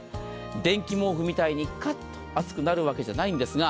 電気毛布みたいに熱くなるわけじゃないんですが